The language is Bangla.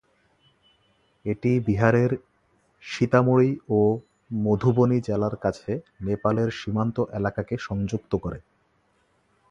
এটি বিহারের সীতামঢ়ী ও মধুবনী জেলার কাছে নেপালের সীমান্ত এলাকাকে সংযুক্ত করে।